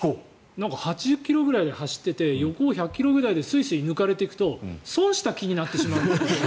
８０ｋｍぐらいで走っていて横を１００ｋｍぐらいですいすい抜かれていくと損した気になる。